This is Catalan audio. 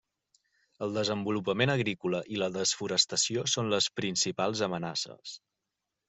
El desenvolupament agrícola i la desforestació són les principals amenaces.